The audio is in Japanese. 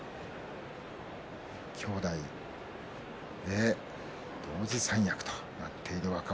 兄弟同時三役となっている若元